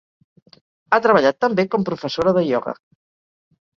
Ha treballat també com professora de ioga.